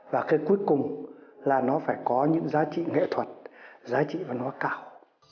và cái cuối cùng là nó phải có những giá trị nghệ thuật giá trị văn hóa cao